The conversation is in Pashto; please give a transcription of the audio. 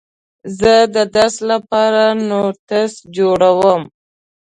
زه د درس لپاره نوټس جوړوم.